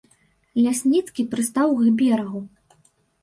Лясніцкі прыстаў к берагу.